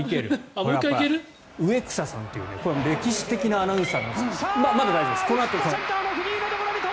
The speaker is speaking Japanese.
植草さんという歴史的なアナウンサーなんですが。